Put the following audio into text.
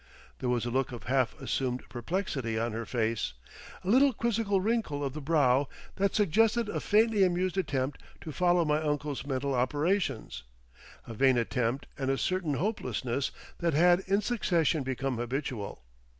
There was a look of half assumed perplexity on her face, a little quizzical wrinkle of the brow that suggested a faintly amused attempt to follow my uncle's mental operations, a vain attempt and a certain hopelessness that had in succession become habitual.